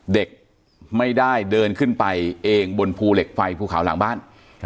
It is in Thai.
เด็กไม่ได้เดินขึ้นไปเองบนภูเหล็กไฟภูเขาหลังบ้าน